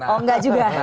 oh gak juga